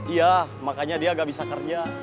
iya makanya dia gak bisa kerja